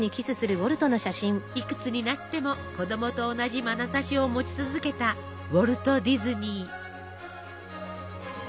いくつになっても子供と同じまなざしを持ち続けたウォルト・ディズニー。